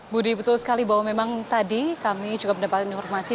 budi betul sekali bahwa memang tadi kami juga mendapatkan informasi